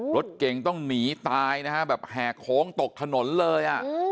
รถเก่งต้องหนีตายนะฮะแบบแหกโค้งตกถนนเลย